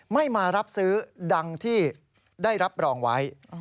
ไม่มารับซื้อดังที่ได้รับรองไว้